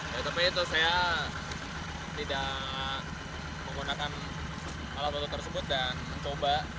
ya tapi itu saya tidak menggunakan alat foto tersebut dan mencoba